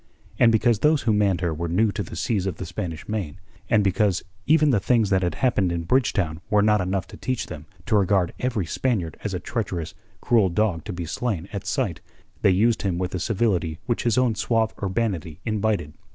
And because those who manned her were new to the seas of the Spanish Main, and because even the things that had happened in Bridgetown were not enough to teach them to regard every Spaniard as a treacherous, cruel dog to be slain at sight, they used him with the civility which his own suave urbanity invited.